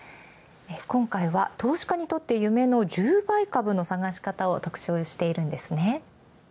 今回は投資家にとって１０倍株のさがしかたを特集しているんですね。